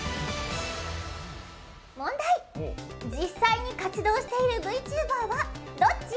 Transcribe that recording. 問題、実際に活動しているＶＴｕｂｅｒはどっち？